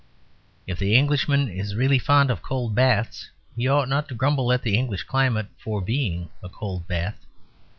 If the Englishman is really fond of cold baths, he ought not to grumble at the English climate for being a cold bath.